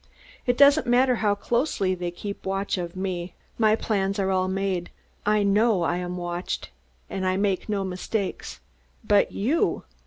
It doesn't matter how closely they keep watch of me. My plans are all made, I know I am watched, and make no mistakes. But you!"